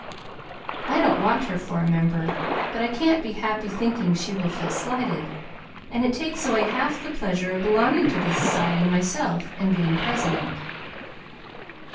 I don't want her for a member but I can't be happy thinking she will feel slighted, and it takes away half the pleasure of belonging to the Society myself and being president.